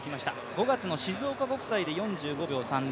５月の静岡国際で４５秒３０。